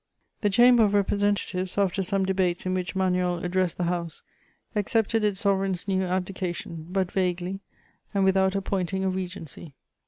The Chamber of Representatives, after some debates in which Manuel addressed the House, accepted its Sovereign's new abdication, but vaguely and without appointing a Regency.